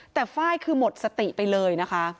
แต่ฝ้ายคือหมดสติไปเลย